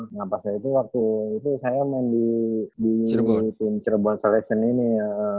nah pas saya itu waktu itu saya main di tim cirebon selection ini ya